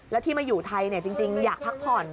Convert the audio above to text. แล้วที่มาอยู่ไทยจริงอยากพักผ่อน